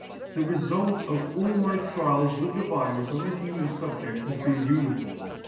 The refult of all my trials with the virus on the human fubjedl has been uniform.